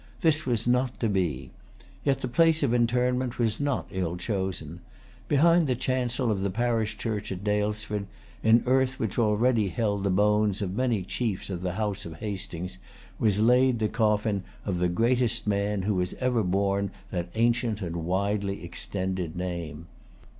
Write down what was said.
This was not to be. Yet the place of interment was not ill chosen. Behind the chancel of the parish church of Daylesford, in earth which already held the bones of many chiefs of the House of Hastings, was laid the coffin of the greatest man who has ever borne that ancient and widely extended name.